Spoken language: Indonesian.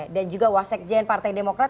dan juga wasik jn partai demokrat